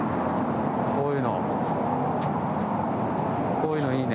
こういうのいいね。